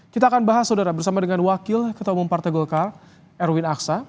kita akan bahas saudara bersama dengan wakil ketua umum partai golkar erwin aksa